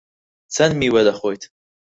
چەند میوە دەخۆیت؟